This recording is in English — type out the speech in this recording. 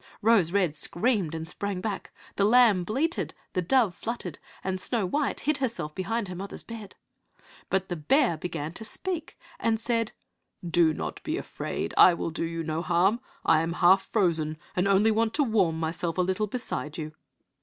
Rose red screamed and sprang back, the lamb bleated, the dove fluttered, and Snow white hid herself behind her mother's bed. But the bear began to speak and said, "Do not be afraid, I will do you no harm! I am half frozen, and only want to warm myself a little beside you."